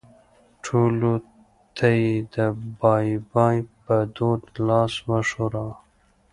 ټولو ته یې د بای بای په دود لاس وښوراوه.